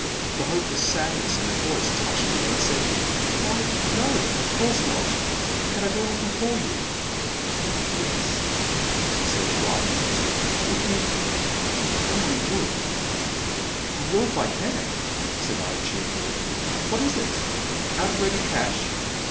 The hopeless sadness in her voice touched me, and I said :Why, no, of course not. Can I do an3rthing for you ?"'* Yes, she said, brightening a little, '* if you — you only would." '* I will if I can,'* said I, cheerfully ;what is it? Out of ready cash?